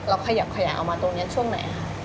ขยับขยายเอามาตรงนี้ช่วงไหนคะ